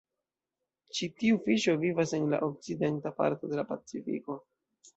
Ĉi tiu fiŝo vivas en la okcidenta parto de la Pacifiko.